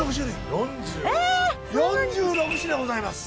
４６品ございます。